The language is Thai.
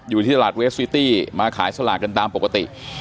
อยู่ที่ตลาดเวสซิตี้มาขายสลากกันตามปกติ